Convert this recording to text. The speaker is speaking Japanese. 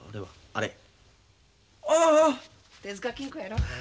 あ手塚金庫やろ。